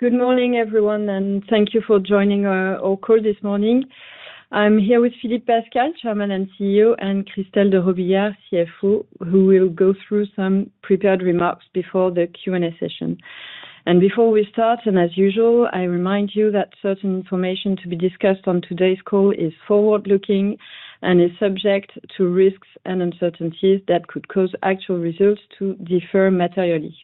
Good morning, everyone, and thank you for joining our call this morning. I'm here with Philippe Pascal, Chairman and CEO; and Christelle Robillard, CFO, who will go through some prepared remarks before the Q&A session. And before we start, as usual, I remind you that certain information to be discussed on today's call is forward-looking and is subject to risks and uncertainties that could cause actual results to differ materially.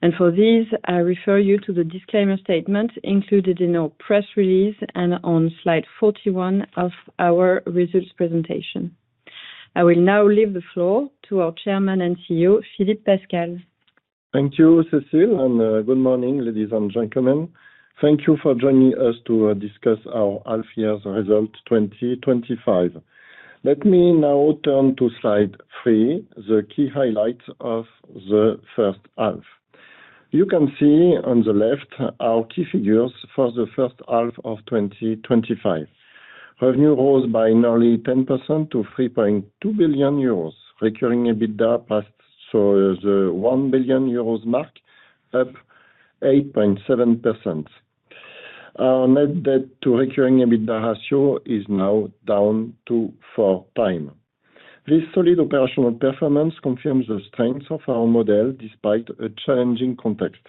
And for this, I refer you to the disclaimer statement included in our press release and on Slide 41 of our results presentation. I will now leave the floor to our Chairman and CEO, Philippe Pascal. Thank you, Cécile, and good morning, ladies and gentlemen. Thank you for joining us to discuss our half-year results 2025. Let me now turn to Slide 3, the key highlights of the first half. You can see on the left our key figures for the first half of 2025. Revenue rose by nearly 10% to 3.2 billion euros, recurring EBITDA passed the 1 billion euros mark, up 8.7%. Our net debt-to-recurring EBITDA ratio is now down to 4x. This solid operational performance confirms the strength of our model despite a challenging context.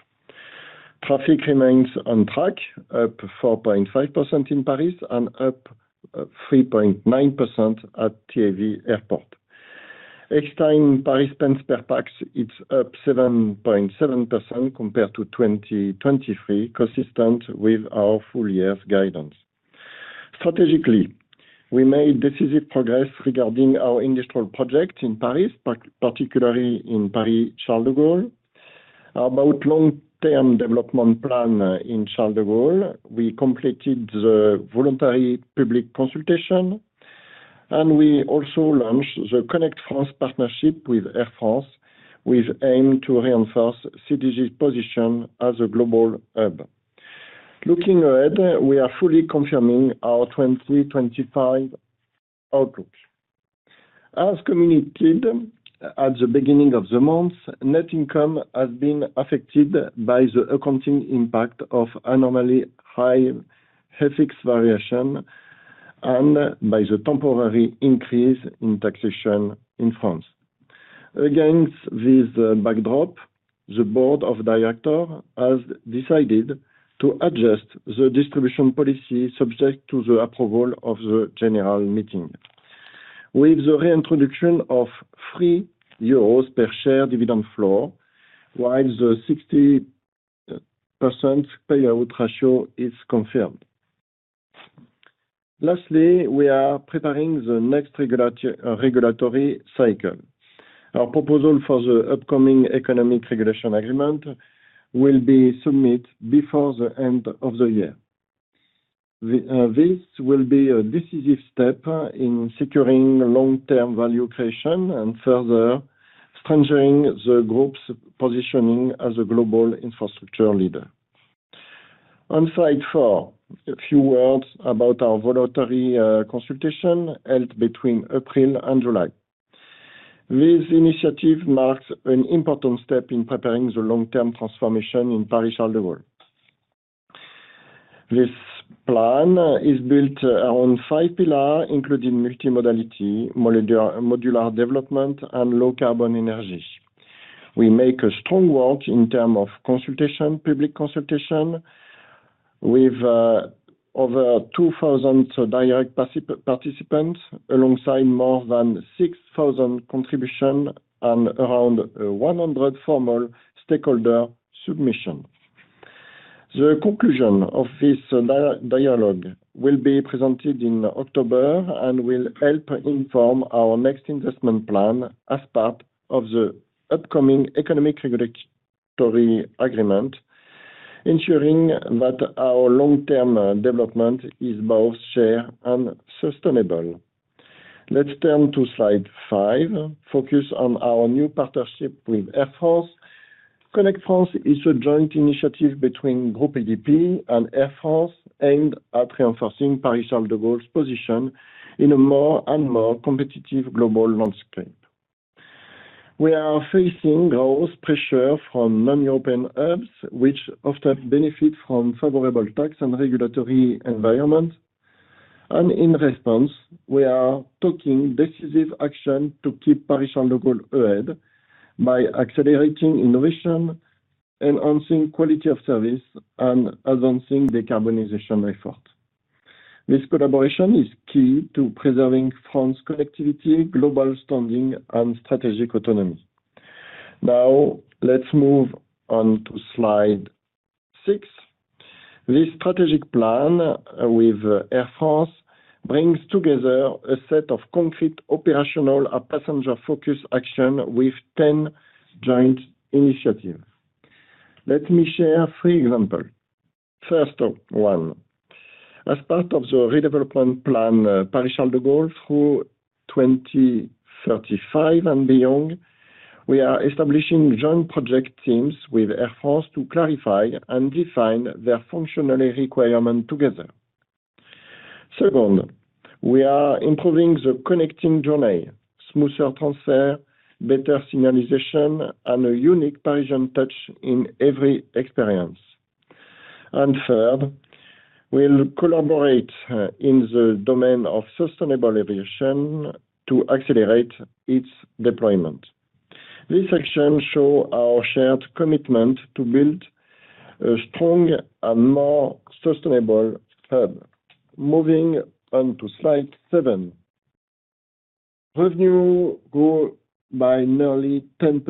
Traffic remains on track, up 4.5% in Paris and up 3.9% at TAV Airports. Expecting Paris spends per pax, it's up 7.7% compared to 2023, consistent with our full-year guidance. Strategically, we made decisive progress regarding our industrial project in Paris, particularly in Paris Charles de Gaulle. About long-term development plan in Charles de Gaulle, we completed the voluntary public consultation. We also launched the Connect France partnership with Air France, with the aim to reinforce CDG's position as a global hub. Looking ahead, we are fully confirming our 2025 outlook. As communicated at the beginning of the month, net income has been affected by the accounting impact of a normally high FX variation and by the temporary increase in taxation in France. Against this backdrop, the Board of Directors has decided to adjust the distribution policy subject to the approval of the General Meeting, with the reintroduction of a 3 euros per share dividend floor, while the 60% payout ratio is confirmed. Lastly, we are preparing the next regulatory cycle. Our proposal for the upcoming Economic Regulation Agreement will be submitted before the end of the year. This will be a decisive step in securing long-term value creation and further strengthening the group's positioning as a global infrastructure leader. On Slide 4, a few words about our voluntary consultation held between April and July. This initiative marks an important step in preparing the long-term transformation in Paris Charles de Gaulle. This plan is built around five pillars, including multimodality, modular development, and low carbon energy. We make a strong work in terms of public consultation, with over 2,000 direct participants, alongside more than 6,000 contributions and around 100 formal stakeholder submissions. The conclusion of this dialogue will be presented in October and will help inform our next investment plan as part of the upcoming Economic Regulation Agreement. Ensuring that our long-term development is both shared and sustainable. Let's turn to Slide 5, focus on our new partnership with Air France. Connect France is a joint initiative between Groupe ADP and Air France, aimed at reinforcing Paris Charles de Gaulle's position in a more and more competitive global landscape. We are facing growth pressure from non-European hubs, which often benefit from favorable tax and regulatory environments. In response, we are taking decisive action to keep Paris Charles de Gaulle ahead by accelerating innovation, enhancing quality of service, and advancing decarbonization efforts. This collaboration is key to preserving France connectivity, global standing, and strategic autonomy. Now, let's move on to Slide 6. This strategic plan with Air France brings together a set of concrete operational and passenger-focused actions with 10 joint initiatives. Let me share three examples. First one. As part of the Redevelopment Plan Paris Charles de Gaulle through 2035 and beyond, we are establishing joint project teams with Air France to clarify and define their functional requirements together. Second, we are improving the connecting journey: smoother transfer, better signalization, and a unique Parisian touch in every experience. Third, we'll collaborate in the domain of sustainable aviation to accelerate its deployment. These actions show our shared commitment to build a strong and more sustainable hub. Moving on to Slide 7. Revenue grew by nearly 10%,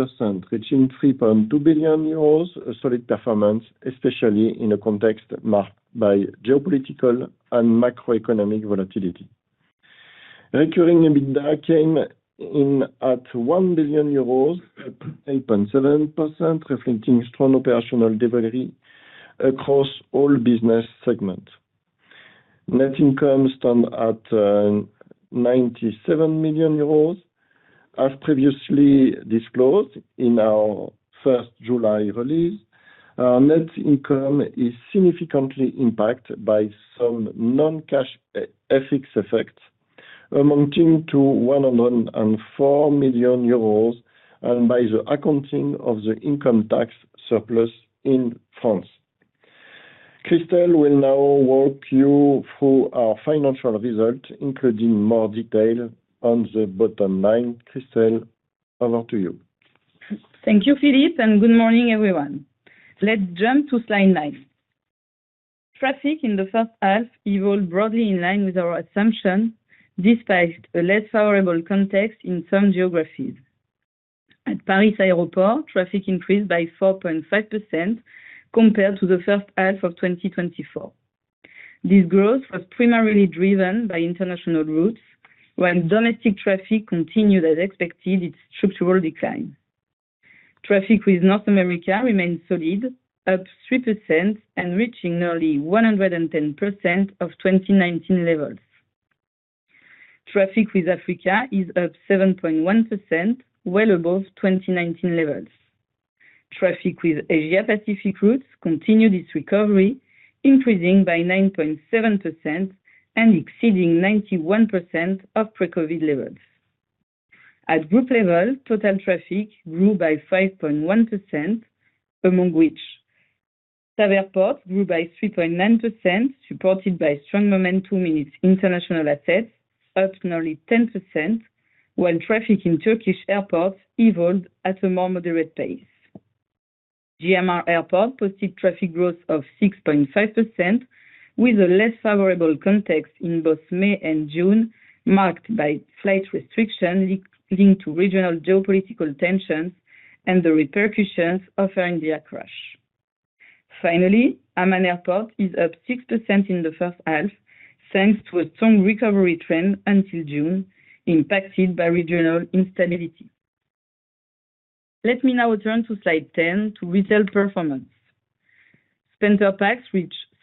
reaching 3.2 billion euros, a solid performance, especially in a context marked by geopolitical and macroeconomic volatility. Recurring EBITDA came in at 1 billion euros, 8.7%, reflecting strong operational delivery across all business segments. Net income stands at 97 million euros. As previously disclosed in our first July release, our net income is significantly impacted by some non-cash FX effects, amounting to 104 million euros, and by the accounting of the income tax surplus in France. Christelle will now walk you through our financial results, including more detail on the bottom line. Christelle, over to you. Thank you, Philippe, and good morning, everyone. Let's jump to Slide 9. Traffic in the first half evolved broadly in line with our assumption, despite a less favorable context in some geographies. At Paris Aeroport, traffic increased by 4.5% compared to the first half of 2024. This growth was primarily driven by international routes, while domestic traffic continued, as expected, its structural decline. Traffic with North America remained solid, up 3% and reaching nearly 110% of 2019 levels. Traffic with Africa is up 7.1%, well above 2019 levels. Traffic with Asia-Pacific routes continued its recovery, increasing by 9.7% and exceeding 91% of pre-COVID levels. At group level, total traffic grew by 5.1%, among which TAV Airports grew by 3.9%, supported by strong momentum in its international assets, up nearly 10%, while traffic in Turkish airports evolved at a more moderate pace. GMR Airports posted traffic growth of 6.5% with a less favorable context in both May and June, marked by flight restrictions linked to regional geopolitical tensions and the repercussions of Air India crash. Finally, Amman Airport is up 6% in the first half, thanks to a strong recovery trend until June, impacted by regional instability. Let me now turn to Slide 10 to retail performance. Spend per pax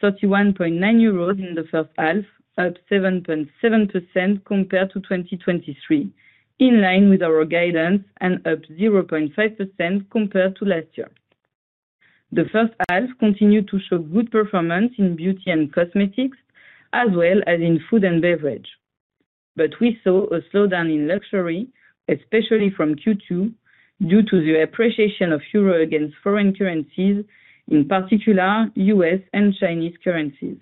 reached 31.9 euros in the first half, up 7.7% compared to 2023, in line with our guidance and up 0.5% compared to last year. The first half continued to show good performance in beauty and cosmetics, as well as in food and beverage. We saw a slowdown in luxury, especially from Q2, due to the appreciation of euro against foreign currencies, in particular U.S. and Chinese currencies.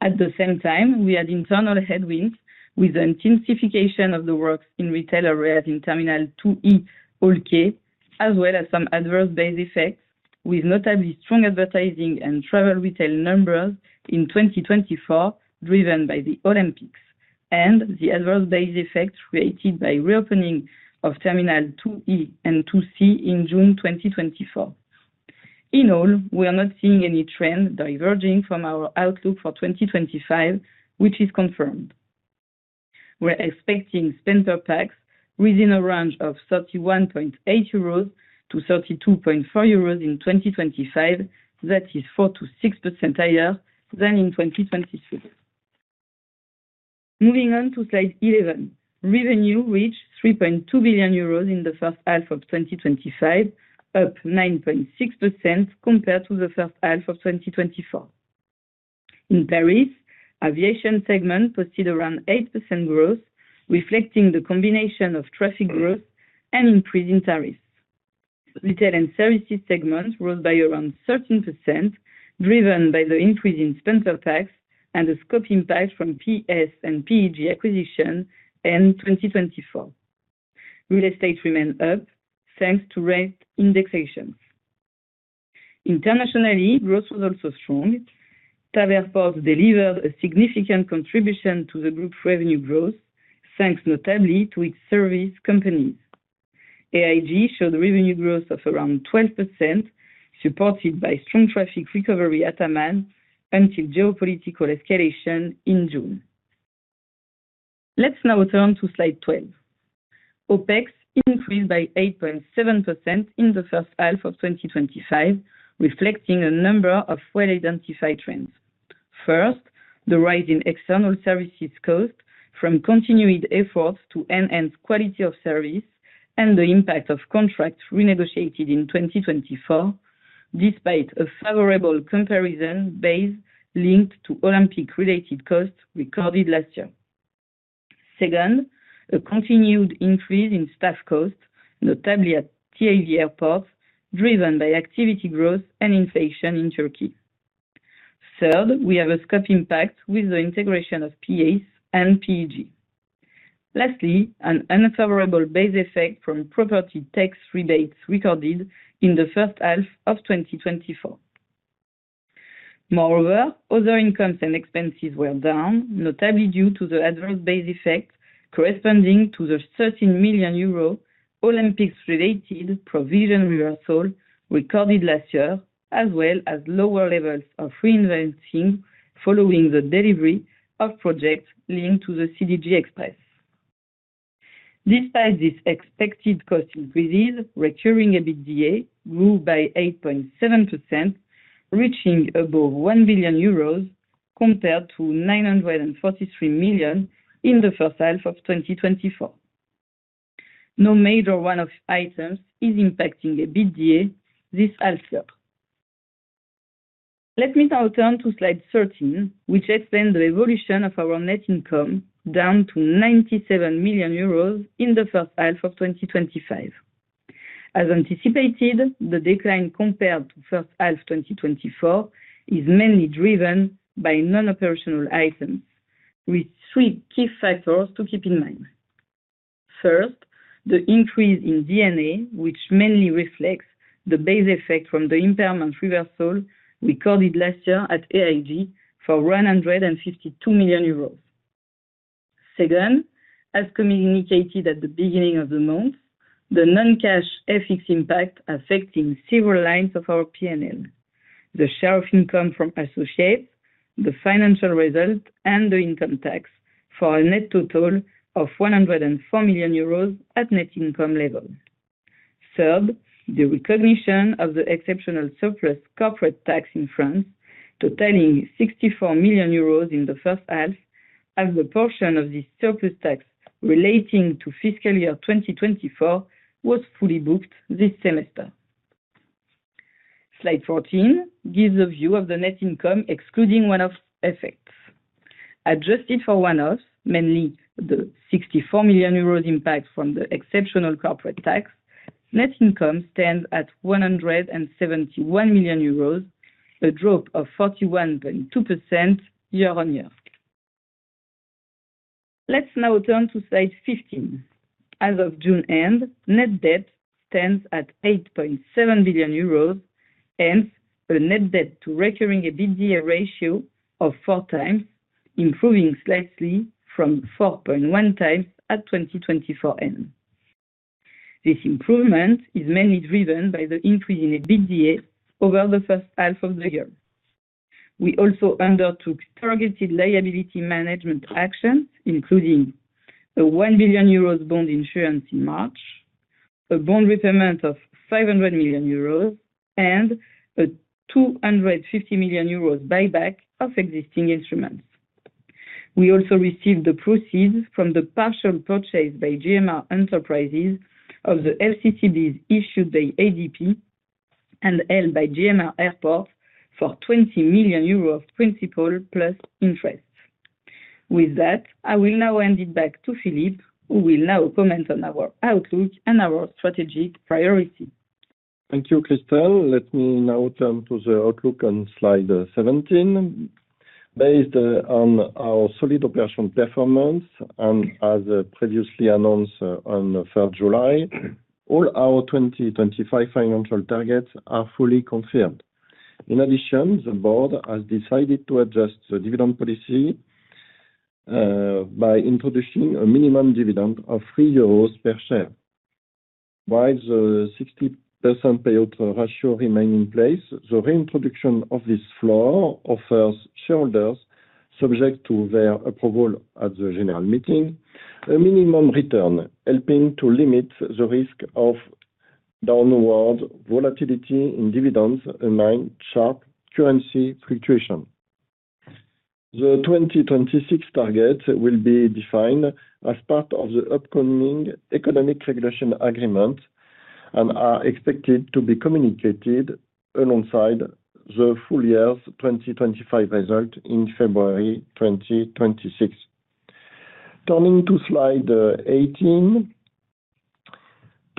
At the same time, we had internal headwinds with an intensification of the works in retail area in Terminal 2E Hall K, as well as some adverse base effects with notably strong advertising and travel retail numbers in 2024, driven by the Olympics and the adverse base effect created by reopening of Terminal 2E and 2C in June 2024. In all, we are not seeing any trend diverging from our outlook for 2025, which is confirmed. We're expecting spend pax reaching a range of 31.8 euros to 32.4 euros in 2025, that is 4% to 6% higher than in 2023. Moving on to Slide 11, revenue reached 3.2 billion euros in the first half of 2025, up 9.6% compared to the first half of 2024. In Paris, aviation segment posted around 8% growth, reflecting the combination of traffic growth and increase in tariffs. Retail and services segment rose by around 13%, driven by the increase in spend per pax and the scope impact from P/S and PEG acquisition in 2024. Real Estate remained up, thanks to rate indexations. Internationally, growth was also strong. TAV Airports delivered a significant contribution to the group revenue growth, thanks notably to its service companies. AIG showed revenue growth of around 12%, supported by strong traffic recovery at Amman and geopolitical escalation in June. Let's now turn to Slide 12. OpEx increased by 8.7% in the first half of 2025, reflecting a number of well-identified trends. First, the rise in external services costs from continued efforts to enhance quality of service and the impact of contracts renegotiated in 2024, despite a favorable comparison base linked to Olympic-related costs recorded last year. Second, a continued increase in staff costs, notably at TAV Airports, driven by activity growth and inflation in Turkey. Third, we have a scope impact with the integration of P/S and PEG. Lastly, an unfavorable base effect from property tax rebates recorded in the first half of 2024. Moreover, other incomes and expenses were down, notably due to the adverse base effect corresponding to the 13 million euro Olympics-related provision reversal recorded last year, as well as lower levels of reinvesting following the delivery of projects linked to the CDG Express. Despite these expected cost increases, recurring EBITDA grew by 8.7%, reaching above 1 billion euros compared to 943 million in the first half of 2024. No major one-off items are impacting EBITDA this half year. Let me now turn to Slide 13, which explains the evolution of our net income down to 97 million euros in the first half of 2025. As anticipated, the decline compared to the first half of 2024 is mainly driven by non-operational items, with three key factors to keep in mind. First, the increase in D&A, which mainly reflects the base effect from the impairment reversal recorded last year at AIG for 152 million euros. Second, as communicated at the beginning of the month, the non-cash FX impact is affecting several lines of our P&L. The share of income from associates, the financial result, and the income tax for a net total of 104 million euros at net income levels. Third, the recognition of the exceptional surplus corporate tax in France, totaling 64 million euros in the first half, as a portion of this surplus tax relating to fiscal year 2024 was fully booked this semester. Slide 14 gives a view of the net income excluding one-off effects. Adjusted for one-offs, mainly the 64 million euros impact from the exceptional corporate tax, net income stands at 171 million euros, a drop of 41.2% year on year. Let's now turn to Slide 15. As of June end, net debt stands at 8.7 billion euros, hence a net debt-to-recurring EBITDA ratio of 4x, improving slightly from 4.1 times at 2024 end. This improvement is mainly driven by the increase in EBITDA over the first half of the year. We also undertook targeted liability management actions, including a 1 billion euros bond issuance in March, a bond repayment of 500 million euros, and a 250 million euros buyback of existing instruments. We also received the proceeds from the partial purchase by GMR Enterprises of the FCCBs issued by ADP and held by GMR Airports for 20 million euros of principal plus interest. With that, I will now hand it back to Philippe, who will now comment on our outlook and our strategic priorities. Thank you, Christelle. Let me now turn to the outlook on Slide 17. Based on our solid operational performance and as previously announced on July 3, all our 2025 financial targets are fully confirmed. In addition, the Board has decided to adjust the dividend policy by introducing a minimum dividend of 3 euros per share. While the 60% payout ratio remains in place, the reintroduction of this floor offers shareholders, subject to their approval at the General Meeting, a minimum return, helping to limit the risk of downward volatility in dividends amid sharp currency fluctuation. The 2026 targets will be defined as part of the upcoming Economic Regulation Agreement and are expected to be communicated alongside the full year's 2025 result in February 2026. Turning to Slide 18.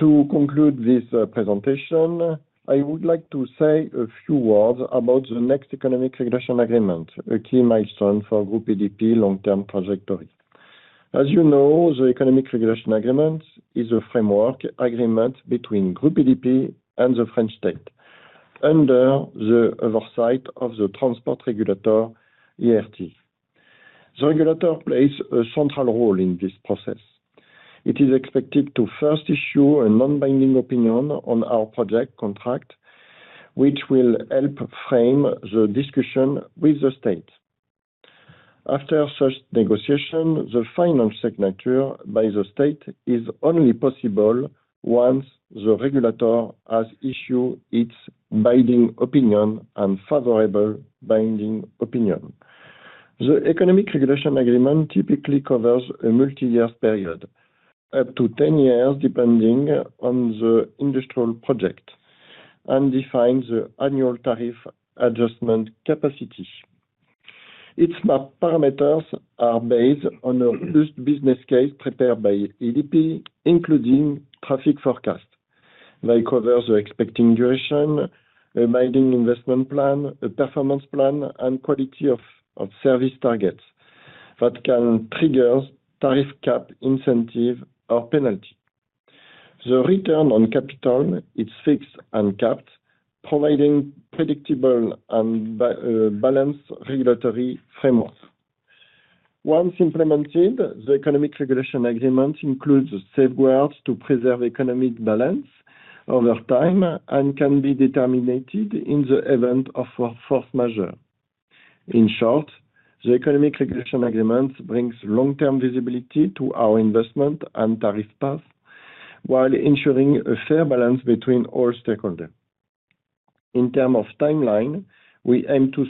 To conclude this presentation, I would like to say a few words about the next Economic Regulation Agreement, a key milestone for Groupe ADP long-term trajectory. As you know, the Economic Regulation Agreement is a framework agreement between Groupe ADP and the French state under the oversight of the transport regulator, ART. The regulator plays a central role in this process. It is expected to first issue a non-binding opinion on our project contract, which will help frame the discussion with the state. After such negotiation, the final signature by the state is only possible once the regulator has issued its binding and favorable opinion. The Economic Regulation Agreement typically covers a multi-year period, up to 10 years depending on the industrial project, and defines the annual tariff adjustment capacity. Its parameters are based on a robust business case prepared by ADP, including traffic forecasts. They cover the expected duration, a binding investment plan, a performance plan, and quality of service targets that can trigger tariff cap incentive or penalty. The return on capital is fixed and capped, providing a predictable and balanced regulatory framework. Once implemented, the Economic Regulation Agreement includes safeguards to preserve economic balance over time and can be determined in the event of a force majeure. In short, the Economic Regulation Agreement brings long-term visibility to our investment and tariff path while ensuring a fair balance between all stakeholders. In terms of timeline, we aim to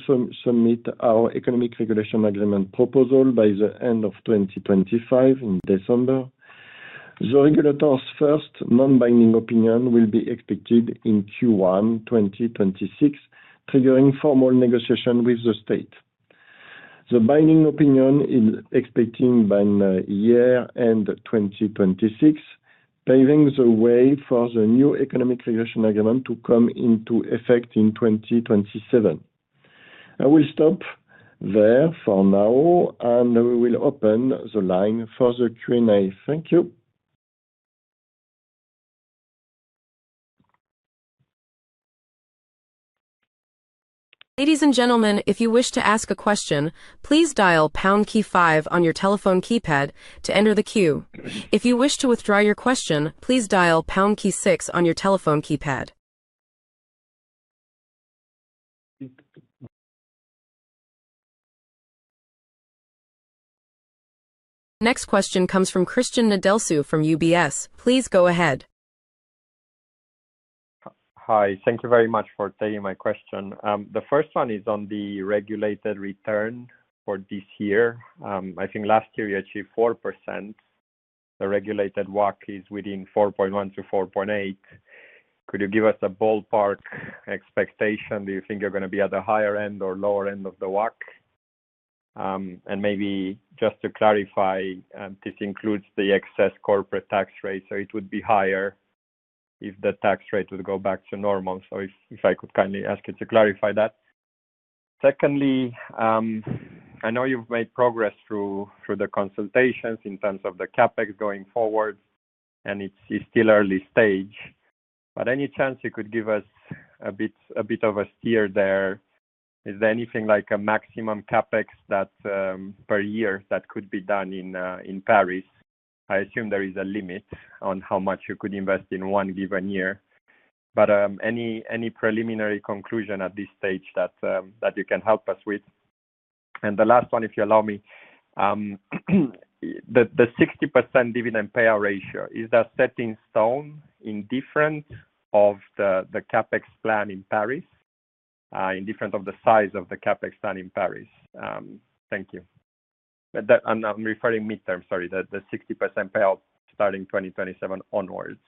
submit our Economic Regulation Agreement proposal by the end of 2025 in December. The regulator's first non-binding opinion will be expected in Q1 2026, triggering formal negotiation with the state. The binding opinion is expected by year-end 2026, paving the way for the new Economic Regulation Agreement to come into effect in 2027. I will stop there for now, and we will open the line for the Q&A. Thank you. Ladies and gentlemen, if you wish to ask a question, please dial pound key five on your telephone keypad to enter the queue. If you wish to withdraw your question, please dial pound key six on your telephone keypad. Next question comes from Cristian Nedelcu from UBS. Please go ahead. Hi. Thank you very much for taking my question. The first one is on the regulated return for this year. I think last year we achieved 4%. The regulated WACC is within 4.1% to 4.8%. Could you give us a ballpark expectation? Do you think you're going to be at the higher end or lower end of the WACC? Maybe just to clarify, this includes the excess corporate tax rate, so it would be higher if the tax rate would go back to normal. If I could kindly ask you to clarify that. Secondly, I know you've made progress through the consultations in terms of the CapEx going forward, and it's still early stage. Any chance you could give us a bit of a steer there? Is there anything like a maximum CapEx per year that could be done in Paris? I assume there is a limit on how much you could invest in one given year. Any preliminary conclusion at this stage that you can help us with? The last one, if you allow me. The 60% dividend payout ratio, is that stepping stone independent of the CapEx plan in Paris, independent of the size of the CapEx plan in Paris? Thank you. I'm referring midterm, sorry, the 60% payout starting 2027 onwards.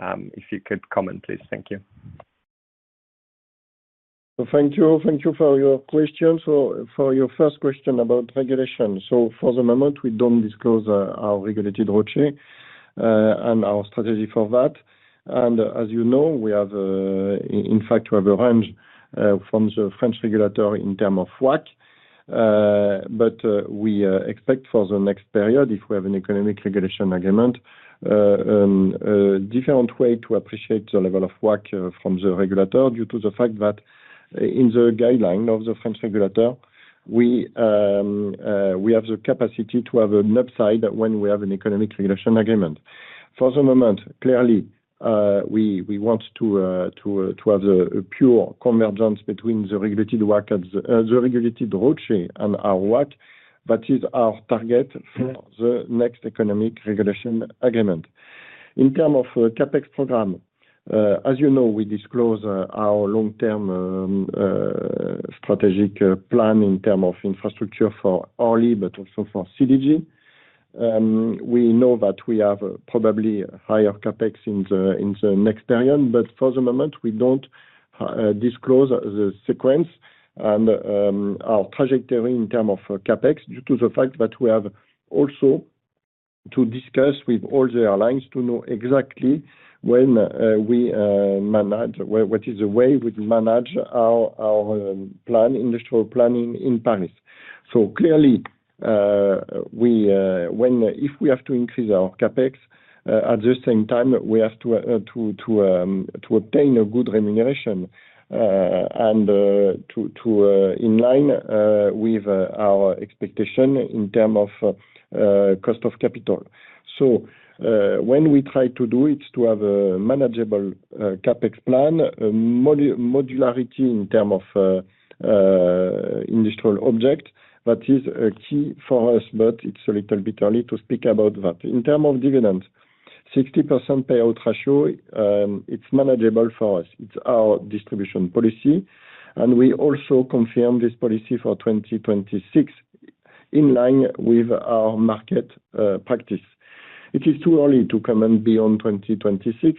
If you could comment, please. Thank you. Thank you. Thank you for your question. For your first question about regulation, for the moment, we don't disclose our regulated ROCE and our strategy for that. As you know, we have, in fact, a range from the French regulator in terms of WACC, but we expect for the next period, if we have an Economic Regulation Agreement, a different way to appreciate the level of WACC from the regulator due to the fact that in the guideline of the French regulator, we have the capacity to have an upside when we have an Economic Regulation Agreement. For the moment, clearly, we want to have a pure convergence between the regulated WACC, the regulated ROCE, and our WACC that is our target for the next Economic Regulation Agreement. In terms of the CapEx program, as you know, we disclose our long-term strategic plan in terms of infrastructure for Orly, but also for CDG. We know that we have probably higher CapEx in the next period, but for the moment, we don't disclose the sequence and our trajectory in terms of CapEx due to the fact that we have also to discuss with all the airlines to know exactly when we manage, what is the way we manage our plan, industrial planning in Paris. Clearly, if we have to increase our CapEx, at the same time, we have to obtain a good remuneration and in line with our expectation in terms of cost of capital. When we try to do it, to have a manageable CapEx plan, modularity in terms of industrial objects, that is a key for us, but it's a little bit early to speak about that. In terms of dividends, 60% payout ratio, it's manageable for us. It's our distribution policy, and we also confirm this policy for 2026 in line with our market practice. It is too early to comment beyond 2026.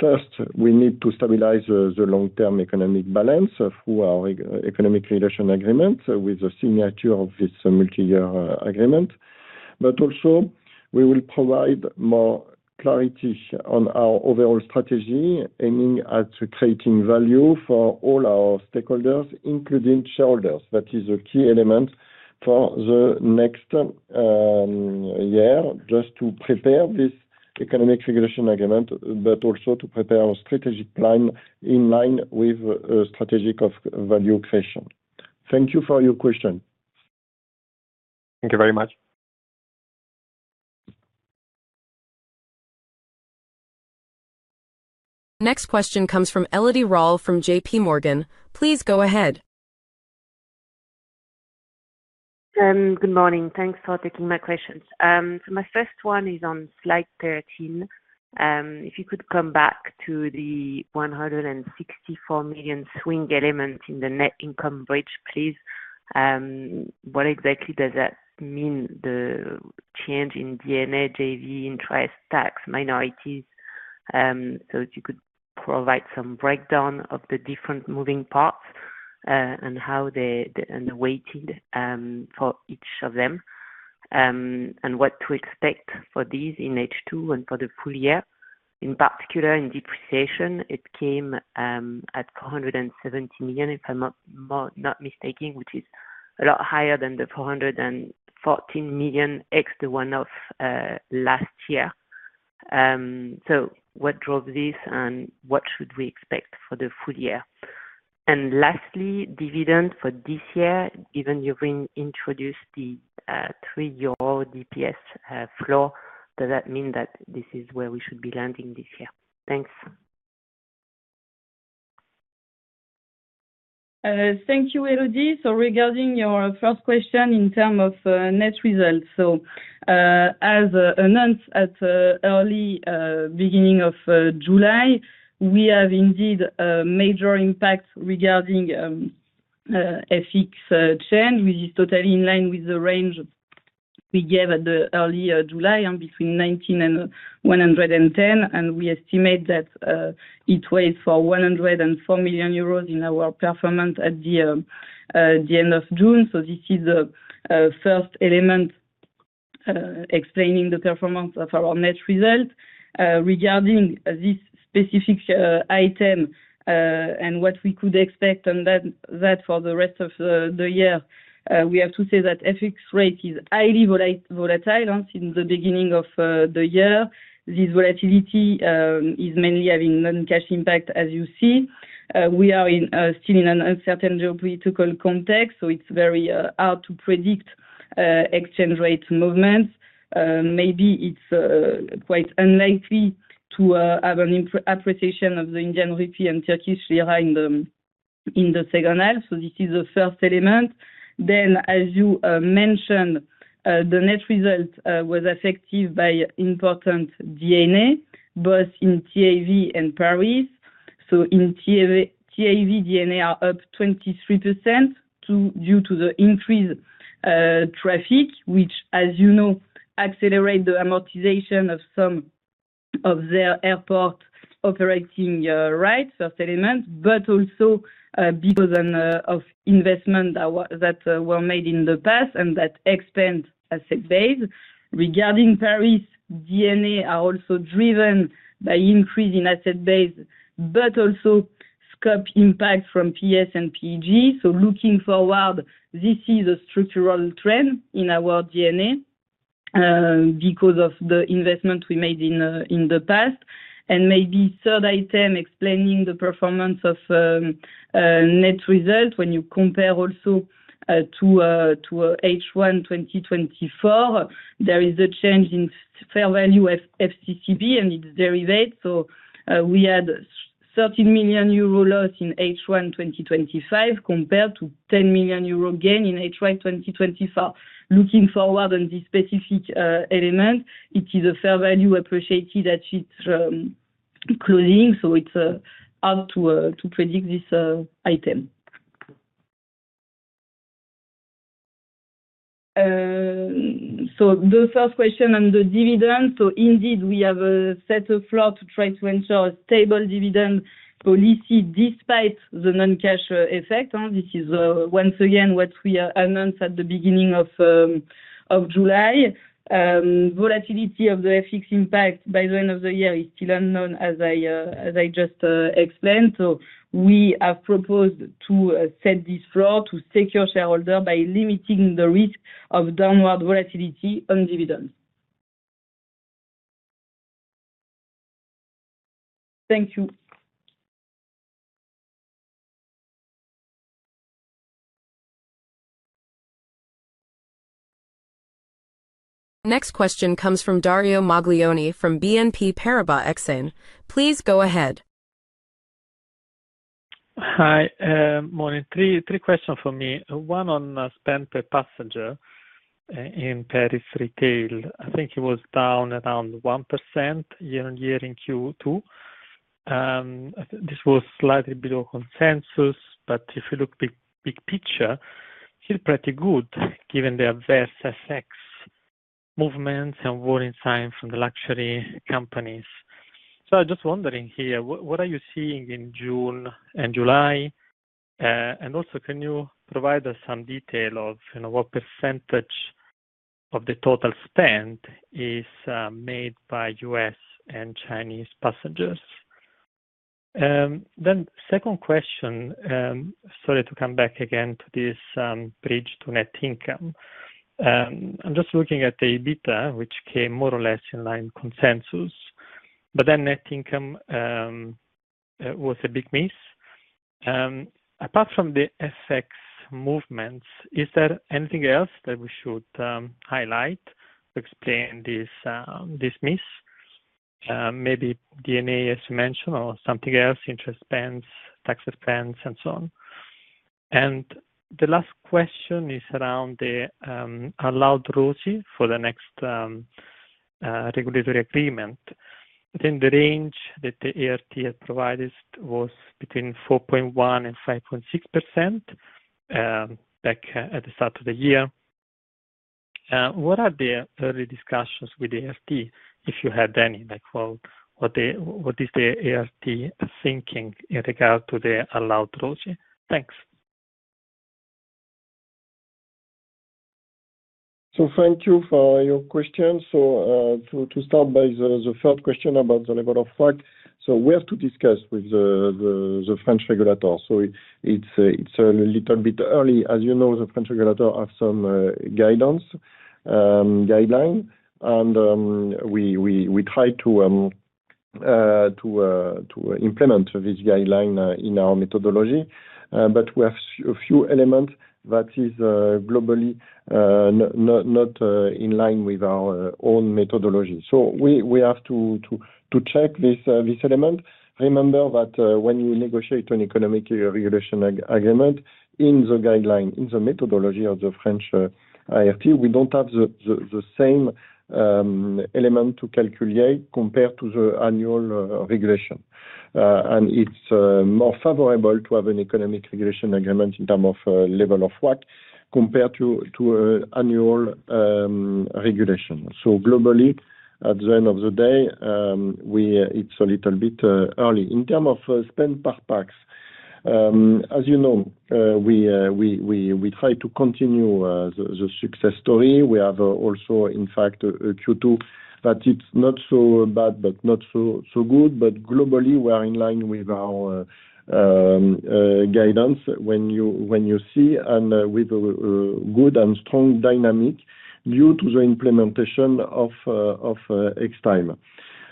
First, we need to stabilize the long-term economic balance through our Economic Regulation Agreement with the signature of this multi-year agreement. We will provide more clarity on our overall strategy, aiming at creating value for all our stakeholders, including shareholders. That is a key element for the next year, just to prepare this Economic Regulation Agreement, but also to prepare a strategic plan in line with a strategic value creation. Thank you for your question. Thank you very much. Next question comes from Elodie Rall from J.P. Morgan. Please go ahead. Good morning. Thanks for taking my questions. My first one is on Slide 13. If you could come back to the 164 million swing element in the net income bridge, please. What exactly does that mean, the change in D&A, JV, interest, tax, minorities? If you could provide some breakdown of the different moving parts and the weighting for each of them, and what to expect for these in H2 and for the full year. In particular, in depreciation, it came at 470 million, if I'm not mistaken, which is a lot higher than the 414 million excluding the one-off last year. What drove this and what should we expect for the full year? Lastly, dividends for this year, given you've introduced the 3 euro DPS floor, does that mean that this is where we should be landing this year? Thanks. Thank you, Elodie. Regarding your first question in terms of net results, as announced at the early beginning of July, we have indeed a major impact regarding FX change, which is totally in line with the range we gave at the early July between 19 million and 110 million. We estimate that it weighs for 104 million euros in our performance at the end of June. This is the first element explaining the performance of our net result regarding this specific item. What we could expect on that for the rest of the year, we have to say that FX rate is highly volatile since the beginning of the year. This volatility is mainly having non-cash impact, as you see. We are still in an uncertain geopolitical context, so it's very hard to predict exchange rate movements. Maybe it's quite unlikely to have an appreciation of the Indian rupee and Turkish lira in the second half. This is the first element. Then, as you mentioned, the net result was affected by important D&A, both in TAV Airports and Paris. In TAV, D&A are up 23% due to the increase in traffic, which, as you know, accelerates the amortization of some of their airport operating rights, first element, but also because of investments that were made in the past and that expand asset base. Regarding Paris, D&A are also driven by increase in asset base, but also scope impact from P/S and PEG. Looking forward, this is a structural trend in our D&A because of the investments we made in the past. Maybe third item explaining the performance of net result when you compare also to H1 2024, there is a change in fair value FCCB and its derivative. We had €13 million loss in H1 2025 compared to 10 million euro gain in H1 2024. Looking forward on this specific element, it is a fair value appreciated at its closing, so it's hard to predict this item. The first question on the dividends. Indeed, we have set a floor to try to ensure a stable dividend policy despite the non-cash effect. This is once again what we announced at the beginning of July. Volatility of the FX impact by the end of the year is still unknown, as I just explained. We have proposed to set this floor to secure shareholders by limiting the risk of downward volatility on dividends. Thank you. Next question comes from Dario Maglione from BNP Paribas Exane. Please go ahead. Hi. Three questions for me. One on spend per passenger. In Paris retail, I think it was down around 1% year-on-year in Q2. This was slightly below consensus, but if you look at the big picture, it's still pretty good given the adverse effects, movements, and warning signs from the luxury companies. I'm just wondering here, what are you seeing in June and July? Also, can you provide us some detail of what percentage of the total spend is made by U.S. and Chinese passengers? Second question, sorry to come back again to this bridge to net income. I'm just looking at the EBITDA, which came more or less in line with consensus, but then net income was a big miss. Apart from the FX movements, is there anything else that we should highlight to explain this miss? Maybe D&A, as you mentioned, or something else, interest expense, tax expense, and so on. The last question is around the allowed ROCE for the next Regulatory Agreement. I think the range that the ART had provided was between 4.1% and 5.6% at the start of the year. What are the early discussions with the ART, if you had any? What is the ART thinking in regard to the allowed routine? Thanks. Thank you for your question. To start by the first question about the level of work, we have to discuss with the French regulator. It's a little bit early. As you know, the French regulator has some guidance, guidelines, and we try to implement this guideline in our methodology. We have a few elements that are globally not in line with our own methodology. We have to check this element. Remember that when you negotiate an Economic Regulation Agreement in the guideline, in the methodology of the French ART, we don't have the same element to calculate compared to the annual regulation. It's more favorable to have an Economic Regulation Agreement in terms of level of WACC compared to an annual regulation. Globally, at the end of the day, it's a little bit early. In terms of spend per pax, as you know, we try to continue the success story. We have also, in fact, a Q2 that is not so bad, but not so good. Globally, we are in line with our guidance when you see and with a good and strong dynamic due to the implementation of Extime.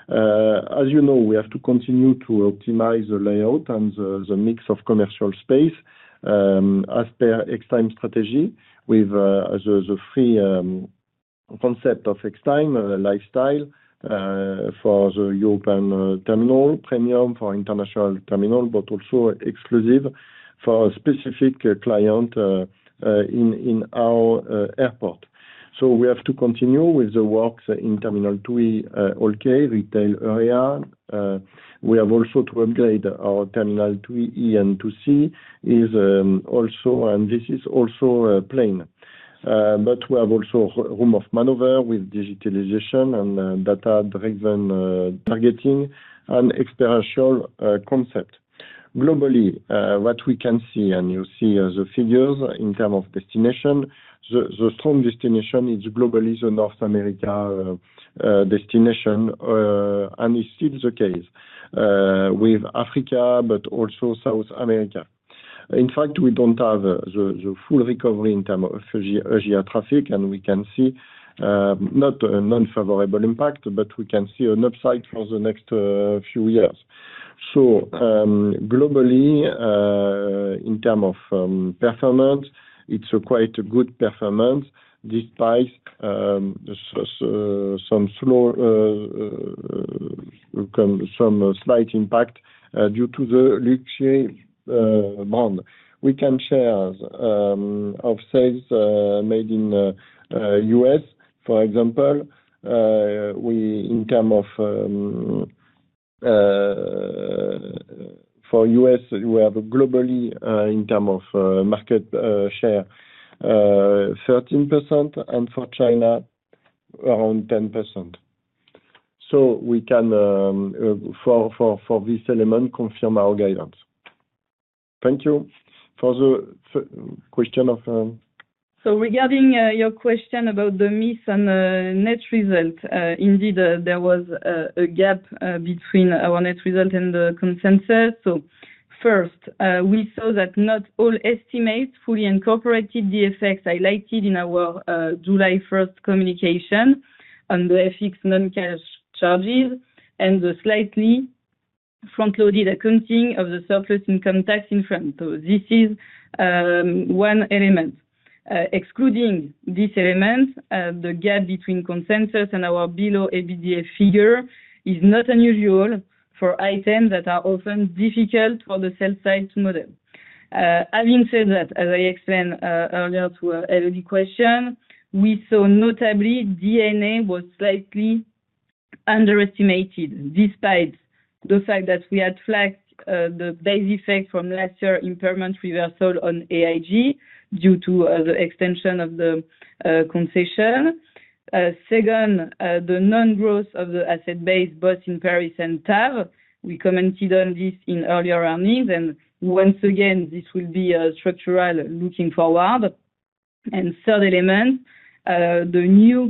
As you know, we have to continue to optimize the layout and the mix of commercial space as per Extime strategy with the free concept of Extime, lifestyle for the European terminal, premium for international terminal, but also exclusive for a specific client in our airport. We have to continue with the works in Terminal 2E Hall K, retail area. We have also to upgrade our Terminal 2E and 2C is also, and this is also playing. We have also room of maneuver with digitalization and data-driven targeting and experiential concept. Globally, what we can see, and you see the figures in terms of destination, the strong destination is globally the North America destination. It's still the case with Africa, but also South America. In fact, we don't have the full recovery in terms of Asia traffic, and we can see not an unfavorable impact, but we can see an upside for the next few years. Globally, in terms of performance, it's quite a good performance despite some slight impact due to the luxury brand. We can share of sales made in U.S., for example. In terms of, for U.S., we have globally in terms of market share 13% and for China around 10%. We can, for this element, confirm our guidance. Thank you for the question. Regarding your question about the miss and net result, indeed, there was a gap between our net result and the consensus. First, we saw that not all estimates fully incorporated the effects highlighted in our July 1st communication on the FX non-cash charges and the slightly front-loaded accounting of the surplus income tax in France. This is one element. Excluding this element, the gap between consensus and our below EBITDA figure is not unusual for items that are often difficult for the sell side to model. Having said that, as I explained earlier to Elodie’s question, we saw notably DNA was slightly underestimated despite the fact that we had flagged the base effect from last year’s impairment reversal on AIG due to the extension of the concession. Second, the non-growth of the asset base, both in Paris and TAV, we commented on this in earlier earnings. Once again, this will be structural looking forward. Third element, the new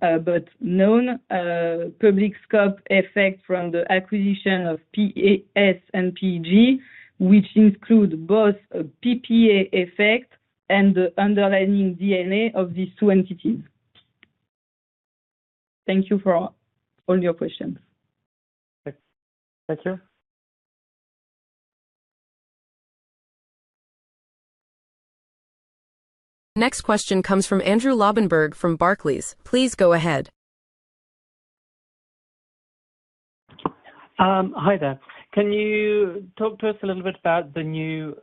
but known public scope effect from the acquisition of P/S and PEG which includes both PPA effect and the underlying D&A of these two entities. Thank you for all your questions. Thank you. Next question comes from Andrew Lobbenberg from Barclays. Please go ahead. Hi there. Can you talk to us a little bit about the new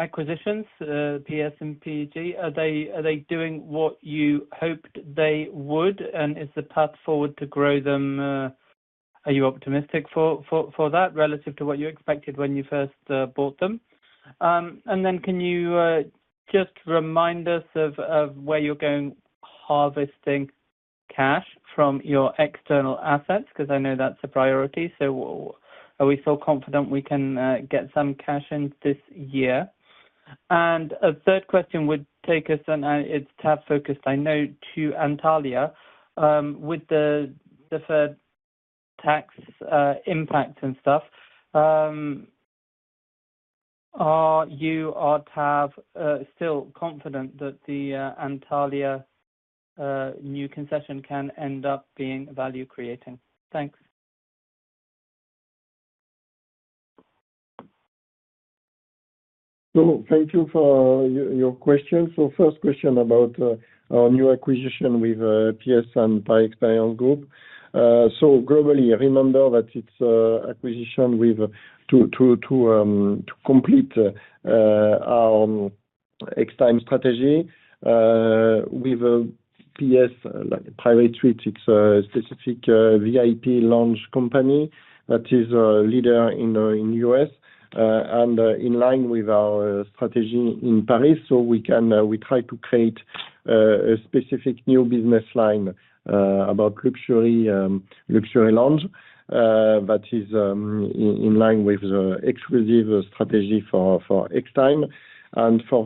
acquisitions, P/S and PEG? Are they doing what you hoped they would? Is the path forward to grow them? Are you optimistic for that relative to what you expected when you first bought them? Can you just remind us of where you're going harvesting cash from your external assets? I know that's a priority. Are we still confident we can get some cash in this year? A third question would take us, and it's top focused. I know, to Antalya, with the deferred tax impact and stuff, are you or TAV still confident that the Antalya new concession can end up being value-creating? Thanks. Thank you for your question. First question about our new acquisition with P/S and Paris Experience Group. Globally, remember that it's an acquisition to complete our Extime strategy. With P/S, like private suites, it's a specific VIP lounge company that is a leader in the U.S. and in line with our strategy in Paris. We try to create a specific new business line about luxury lounge that is in line with the exclusive strategy for Extime. For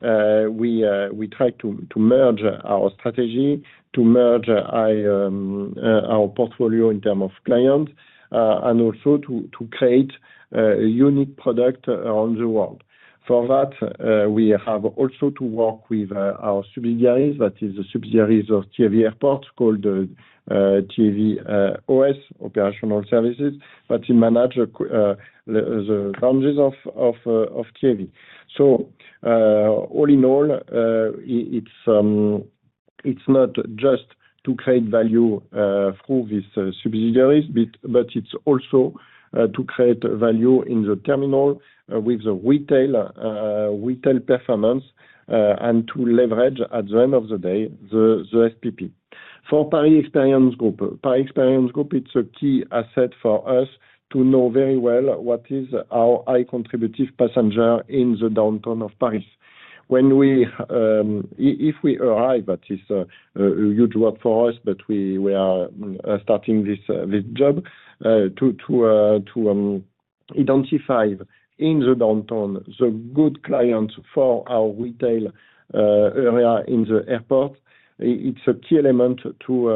that, we try to merge our strategy, to merge our portfolio in terms of clients, and also to create a unique product around the world. For that, we have also to work with our subsidiaries, that is the subsidiaries of TAV Airports, called TAV OS, Operational Services, that manage the lounges of TAV. All in all, it's not just to create value through these subsidiaries, but it's also to create value in the terminal with the retail performance and to leverage, at the end of the day, the SPP. For Paris Experience Group, Paris Experience Group, it's a key asset for us to know very well what is our high contributing passenger in the downtown of Paris. If we arrive, that is a huge work for us, but we are starting this job to identify in the downtown the good clients for our retail area in the airport. It's a key element to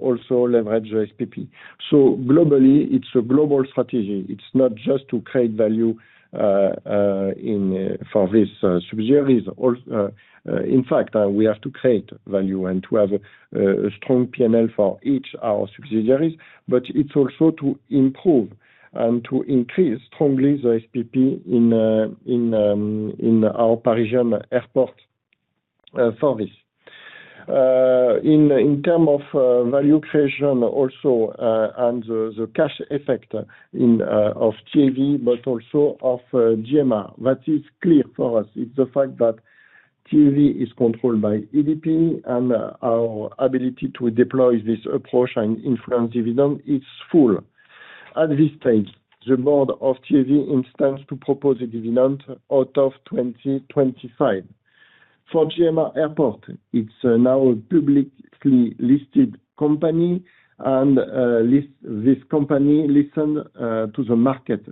also leverage the SPP. Globally, it's a global strategy. It's not just to create value for these subsidiaries. In fact, we have to create value and to have a strong P&L for each of our subsidiaries, but it's also to improve and to increase strongly the SPP in our Parisian airport service in terms of value creation also. The cash effect of TAV, but also of GMR, that is clear for us. It's the fact that TAV is controlled by ADP, and our ability to deploy this approach and influence dividend is full. At this stage, the board of TAV intends to propose a dividend out of 2025. For GMR Airport, it's now a publicly listed company, and this company listened to the market.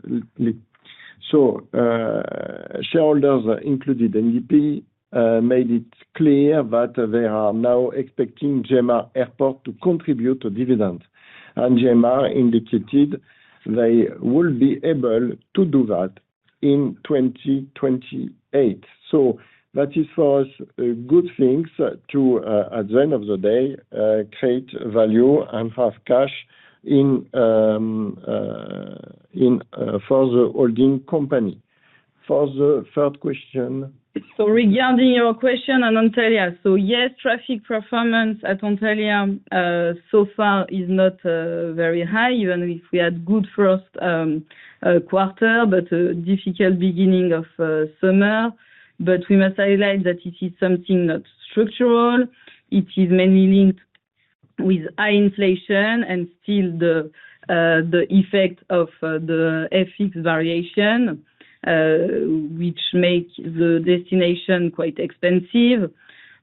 Shareholders, including ADP, made it clear that they are now expecting GMR Airports to contribute a dividend. GMR indicated they will be able to do that in 2028. That is, for us, a good thing to, at the end of the day, create value and have cash for the holding company. For the third question. Regarding your question on Antalya, yes, traffic performance at Antalya so far is not very high, even if we had a good first quarter, but a difficult beginning of summer. We must highlight that it is something not structural. It is mainly linked with high inflation and still the effect of the FX variation, which makes the destination quite expensive.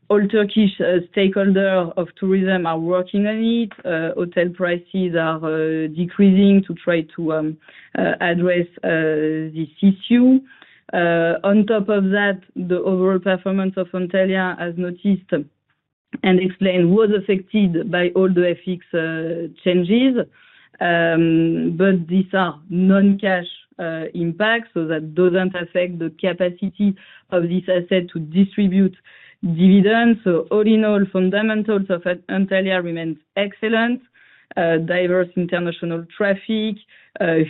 All Turkish stakeholders of tourism are working on it. Hotel prices are decreasing to try to address this issue. On top of that, the overall performance of Antalya, as noticed and explained, was affected by all the FX changes. These are non-cash impacts, so that doesn't affect the capacity of this asset to distribute dividends. All in all, fundamentals of Antalya remained excellent: diverse international traffic,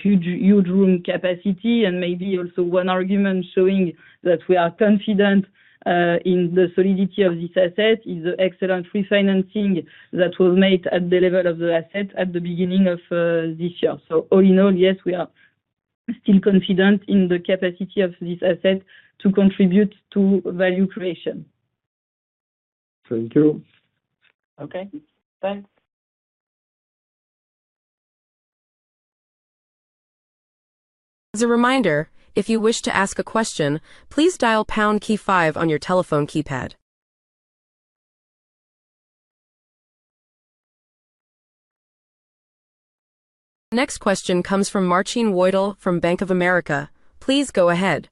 huge room capacity, and maybe also one argument showing that we are confident in the solidity of this asset is the excellent refinancing that was made at the level of the asset at the beginning of this year. All in all, yes, we are still confident in the capacity of this asset to contribute to value creation. Thank you. Okay. Thanks. As a reminder, if you wish to ask a question, please dial pound key five on your telephone keypad. Next question comes from Marcin Wojtal from Bank of America. Please go ahead.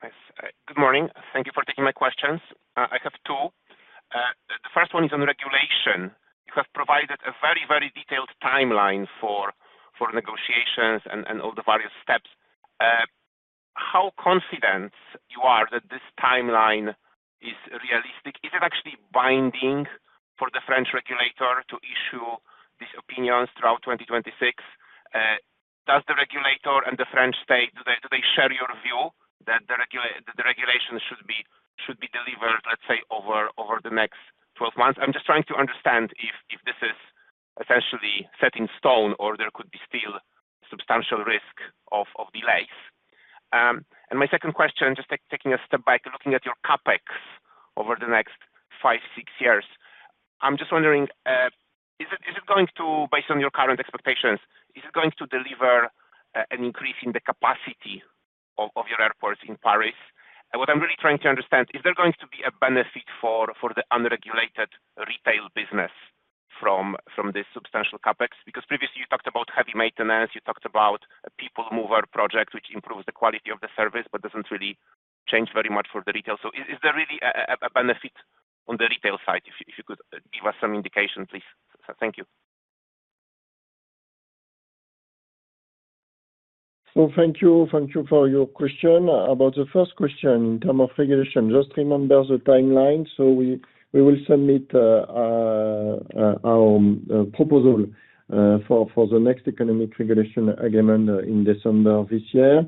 Good morning. Thank you for taking my questions. I have two. The first one is on regulation. You have provided a very, very detailed timeline for negotiations and all the various steps. How confident you are that this timeline is realistic? Is it actually binding for the French regulator to issue these opinions throughout 2026? Does the regulator and the French state, do they share your view that the regulation should be delivered, let's say, over the next 12 months? I'm just trying to understand if this is essentially set in stone or there could be still substantial risk of delays. My second question, just taking a step back, looking at your CapEx over the next five, six years, I'm just wondering. Is it going to, based on your current expectations, is it going to deliver an increase in the capacity of your airport in Paris? What I'm really trying to understand, is there going to be a benefit for the unregulated retail business from this substantial CapEx? Because previously, you talked about heavy maintenance. You talked about a people mover project which improves the quality of the service but doesn't really change very much for the retail. Is there really a benefit on the retail side? If you could give us some indication, please. Thank you. Thank you for your question. About the first question, in terms of regulation, just remember the timeline. We will submit our proposal for the next Economic Regulation Agreement in December this year.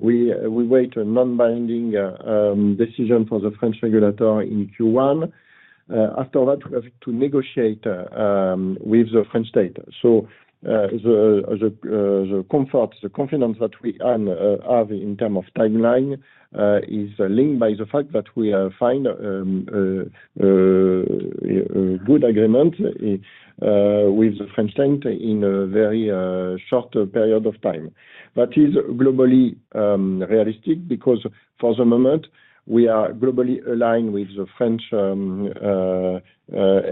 We wait a non-binding decision for the French regulator in Q1. After that, we have to negotiate with the French state. The confidence that we have in terms of timeline is linked by the fact that we find a good agreement with the French state in a very short period of time. That is globally realistic because for the moment, we are globally aligned with the French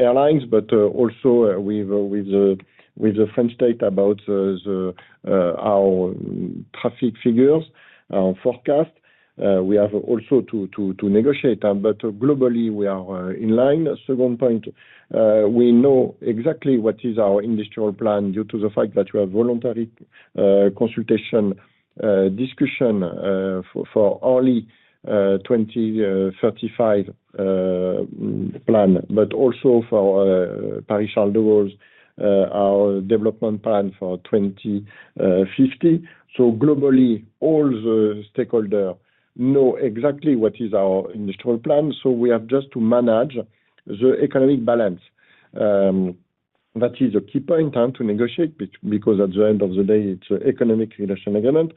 airlines, but also with the French state about our traffic figures, our forecast. We have also to negotiate, but globally, we are in line. Second point. We know exactly what is our industrial plan due to the fact that we have voluntary consultation discussion for early 2035 plan, but also for Paris-Charles de Gaulle's development plan for 2050. Globally, all the stakeholders know exactly what is our industrial plan. We have just to manage the economic balance. That is a key point to negotiate because at the end of the day, it's an Economic Regulation Agreement.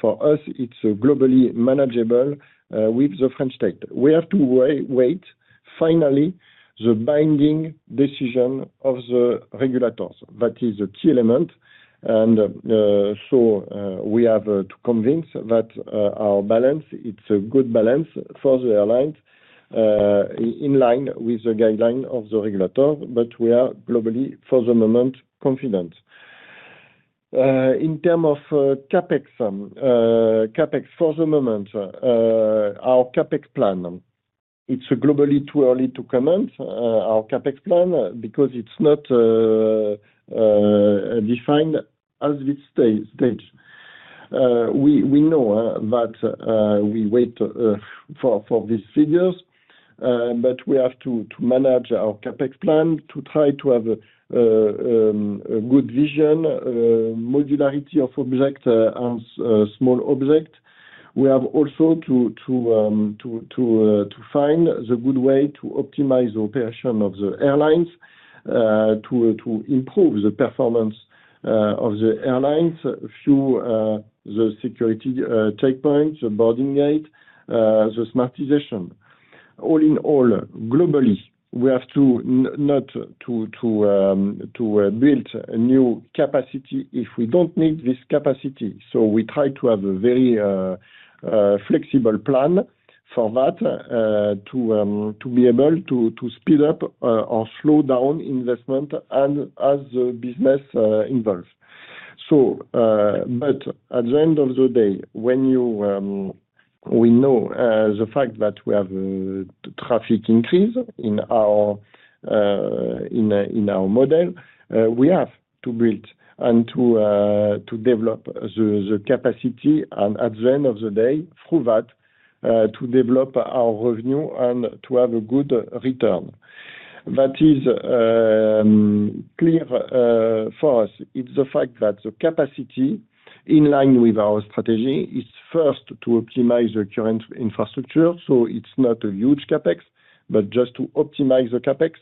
For us, it's globally manageable with the French state. We have to wait, finally, the binding decision of the regulators. That is a key element. We have to convince that our balance, it's a good balance for the airlines in line with the guideline of the regulator, but we are globally, for the moment, confident. In terms of CapEx, for the moment, our CapEx plan, it's globally too early to comment on our CapEx plan because it's not defined at this stage. We know that. We wait for these figures, but we have to manage our CapEx plan to try to have a good vision, modularity of object, and small object. We have also to find the good way to optimize the operation of the airlines to improve the performance of the airlines through the security checkpoint, the boarding gate, the smartisation. All in all, globally, we have to not build a new capacity if we don't need this capacity. We try to have a very flexible plan for that, to be able to speed up or slow down investment as the business evolves. At the end of the day, when we know the fact that we have a traffic increase in our model, we have to build and to develop the capacity and at the end of the day, through that, to develop our revenue and to have a good return. That is clear for us. It's the fact that the capacity in line with our strategy is first to optimize the current infrastructure. It's not a huge CapEx, but just to optimize the CapEx.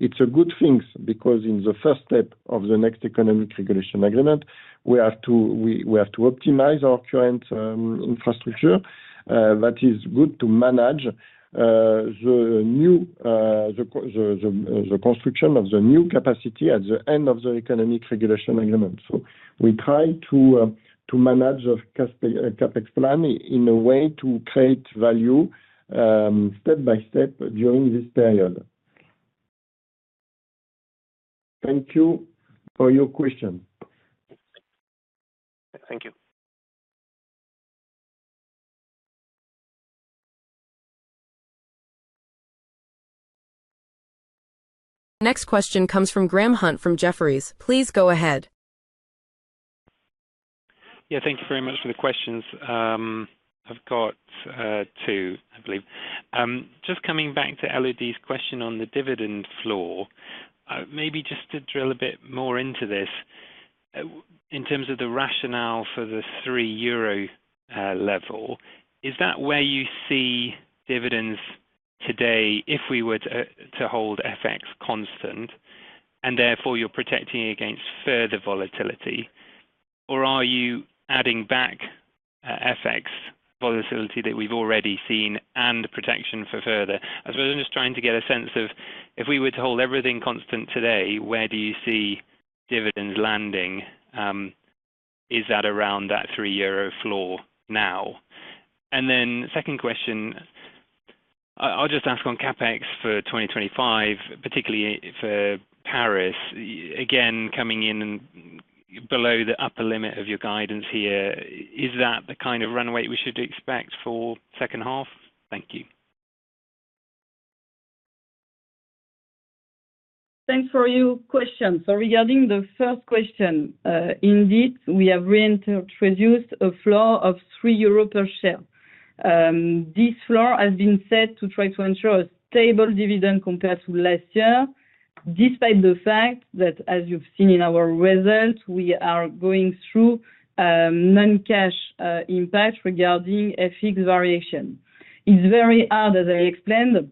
It's a good thing because in the first step of the next Economic Regulation Agreement, we have to optimize our current infrastructure. That is good to manage the construction of the new capacity at the end of the Economic Regulation Agreement. We try to manage the CapEx plan in a way to create value step by step during this period. Thank you for your question. Thank you. Next question comes from Graham Hunt from Jefferies. Please go ahead. Thank you very much for the questions. I have two, I believe. Just coming back to Elodie's question on the dividend floor, maybe just to drill a bit more into this. In terms of the rationale for the 3 euro level, is that where you see dividends today if we were to hold FX constant and therefore you're protecting against further volatility? Or are you adding back FX volatility that we've already seen and protection for further? I suppose I'm just trying to get a sense of if we were to hold everything constant today, where do you see dividends landing? Is that around that 3 euro floor now? My second question is on CapEx for 2025, particularly for Paris. Again, coming in below the upper limit of your guidance here, is that the kind of runway we should expect for the second half? Thank you. Thanks for your question. Regarding the first question, indeed, we have reintroduced a floor of 3 euro per share. This floor has been set to try to ensure a stable dividend compared to last year, despite the fact that, as you've seen in our results, we are going through non-cash impact regarding FX variation. It's very hard, as I explained,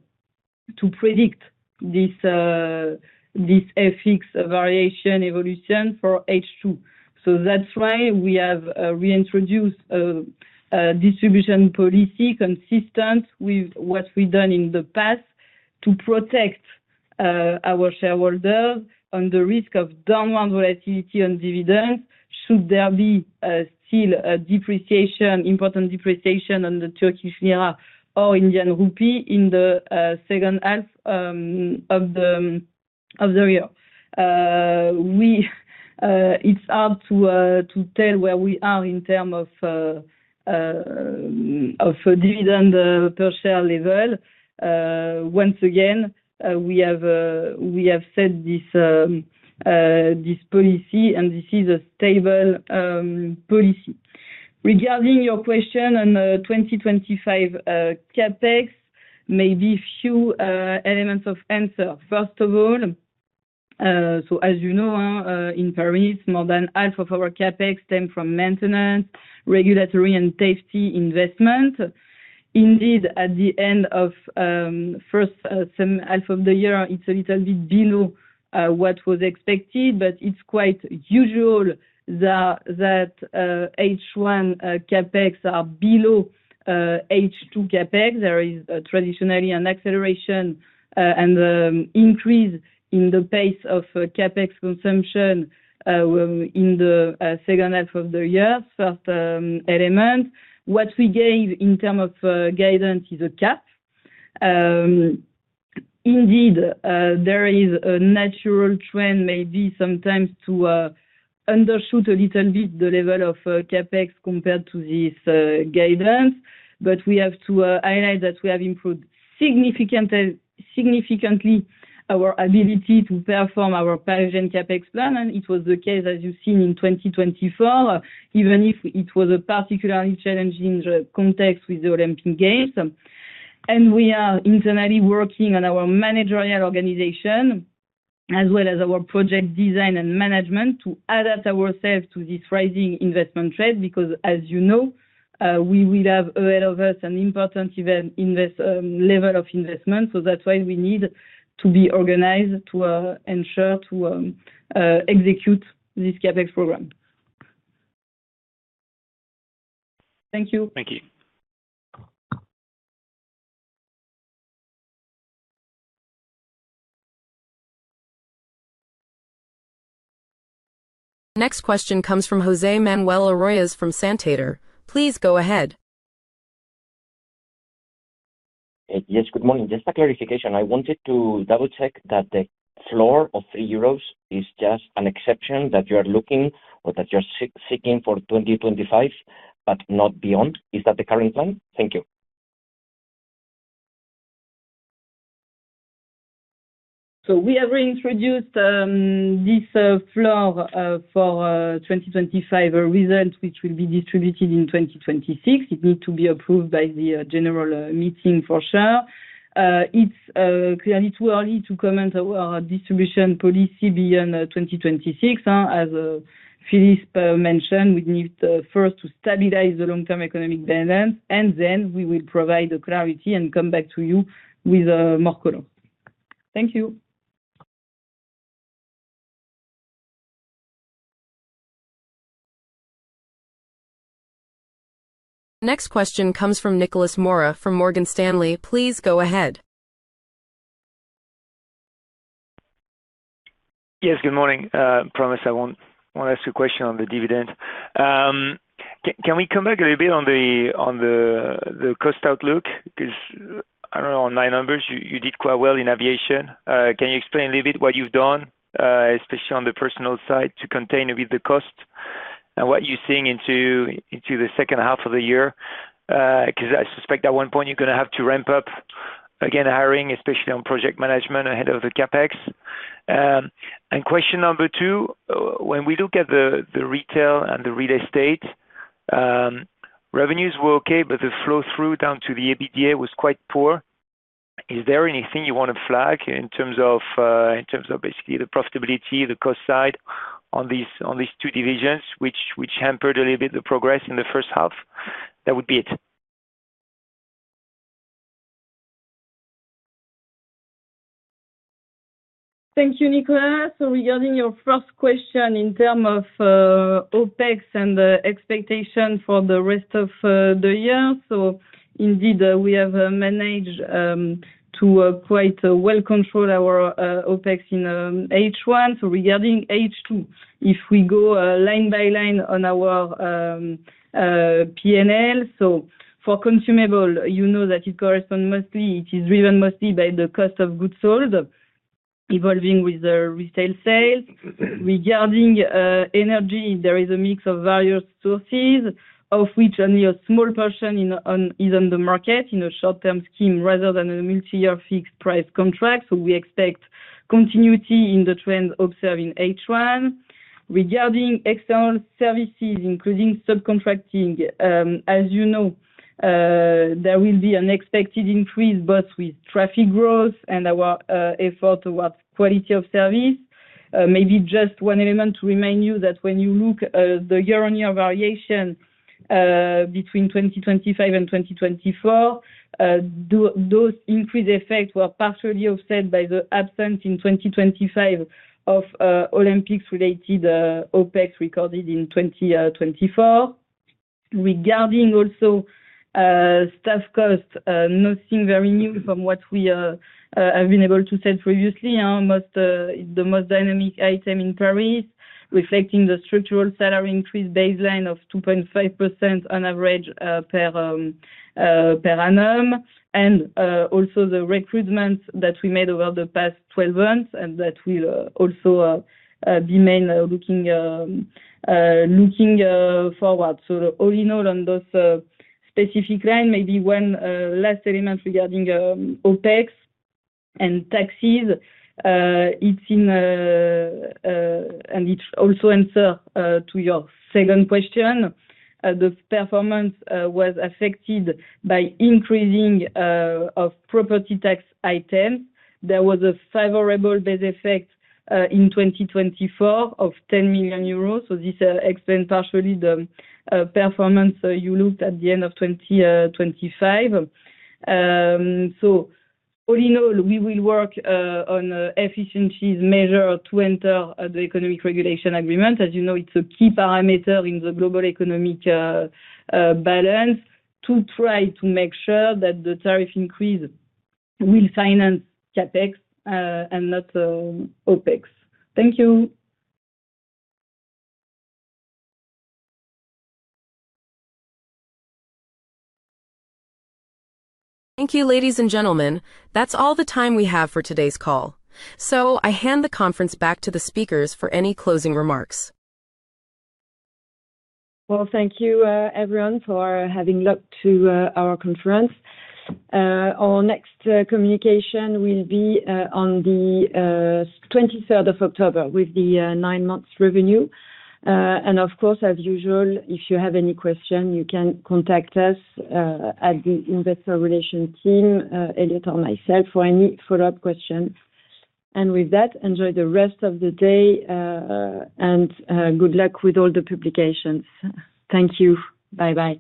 to predict this FX variation evolution for H2. That's why we have reintroduced a distribution policy consistent with what we've done in the past to protect our shareholders on the risk of downward volatility on dividends should there be still important depreciation on the Turkish lira or Indian rupee in the second half of the year. It's hard to tell where we are in terms of dividend per share level. Once again, we have set this policy, and this is a stable policy. Regarding your question on 2025 CapEx, maybe a few elements of answer. First of all, as you know, in Paris, more than half of our CapEx stem from maintenance, regulatory, and safety investment. Indeed, at the end of the first half of the year, it's a little bit below what was expected, but it's quite usual that H1 CapEx are below H2 CapEx. There is traditionally an acceleration and increase in the pace of CapEx consumption in the second half of the year, first element. What we gave in terms of guidance is a cap. Indeed, there is a natural trend, maybe sometimes to undershoot a little bit the level of CapEx compared to this guidance, but we have to highlight that we have improved significantly our ability to perform our Parisian CapEx plan, and it was the case, as you've seen in 2024, even if it was a particularly challenging context with the Olympic Games. We are internally working on our managerial organization as well as our project design and management to adapt ourselves to this rising investment trend because, as you know, we will have ahead of us an important level of investment. That's why we need to be organized to ensure to execute this CapEx program. Thank you. Thank you. Next question comes from José Manuel Arroyas from Santander. Please go ahead. Yes, good morning. Just a clarification. I wanted to double-check that the floor of €3 is just an exception that you are looking or that you are seeking for 2025, but not beyond. Is that the current plan? Thank you. We have reintroduced this dividend floor for 2025 results, which will be distributed in 2026. It needs to be approved by the general meeting for sure. It's clearly too early to comment on our distribution policy beyond 2026. As Philippe mentioned, we need first to stabilize the long-term economic balance, and then we will provide the clarity and come back to you with more colors. Thank you. Next question comes from Nicolas Mora from Morgan Stanley. Please go ahead. Yes, good morning. I promise I won't ask a question on the dividend. Can we come back a little bit on the cost outlook? Because I don't know, on my numbers, you did quite well in aviation. Can you explain a little bit what you've done, especially on the personnel side, to contain a bit the cost and what you're seeing into the second half of the year? I suspect at one point you're going to have to ramp up again hiring, especially on project management ahead of the CapEx. Question number two, when we look at the Retail and the Real Estate, revenues were okay, but the flow-through down to the EBITDA was quite poor. Is there anything you want to flag in terms of basically the profitability, the cost side on these two divisions which hampered a little bit the progress in the first half? That would be it. Thank you, Nicolas. Regarding your first question in terms of OpEx and the expectation for the rest of the year, we have managed to quite well control our OpEx in H1. Regarding H2, if we go line by line on our P&L, for consumable, you know that it corresponds mostly, it is driven mostly by the cost of goods sold, evolving with the retail sales. Regarding energy, there is a mix of various sources, of which only a small portion is on the market in a short-term scheme rather than a multi-year fixed-price contract. We expect continuity in the trend observed in H1. Regarding external services, including subcontracting, as you know, there will be an expected increase both with traffic growth and our effort towards quality of service. Maybe just one element to remind you that when you look at the year-on-year variation between 2025 and 2024, those increased effects were partially offset by the absence in 2025 of Olympics-related OpEx recorded in 2024. Regarding also staff costs, nothing very new from what we have been able to set previously. The most dynamic item in Paris, reflecting the structural salary increase baseline of 2.5% on average per annum, and also the recruitment that we made over the past 12 months and that will also be main looking forward. All in all, on those specific lines, maybe one last element regarding OpEx and taxes, and it also answers to your second question. The performance was affected by increasing of property tax items. There was a favorable base effect in 2024 of 10 million euros. This explains partially the performance you looked at the end of 2025. All in all, we will work on efficiencies measures to enter the Economic Regulation Agreement. As you know, it's a key parameter in the global economic balance to try to make sure that the tariff increase will finance CapEx and not OpEx. Thank you. Thank you, ladies and gentlemen. That's all the time we have for today's call. So I hand the conference back to the speakers for any closing remarks. Thank you, everyone, for having looked to our conference. Our next communication will be on the 23rd of October with the nine-month revenue. Of course, as usual, if you have any questions, you can contact us at the Investor Relations team, Elliot or myself, for any follow-up questions. With that, enjoy the rest of the day and good luck with all the publications. Thank you. Bye-bye.